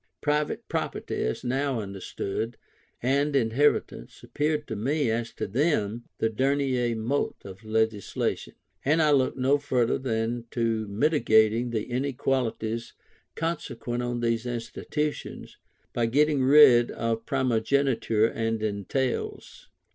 Private property, as now understood, and inheritance, appeared to me, as to them, the dernier mot of legislation: and I looked no further than to mitigating the inequalities consequent on these institutions, by getting rid of primogeniture and entails.